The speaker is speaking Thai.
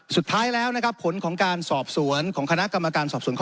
สุดท้ายแล้วนะครับผลของการสอบสวนของคณะกรรมการสอบสวนข้อ